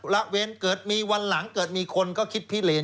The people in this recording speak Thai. ระเวนเกิดมีวันหลังเกิดมีคนก็คิดพิเลน